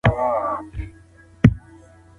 تاسو به د ښې راتلونکي له پاره کار وکړئ.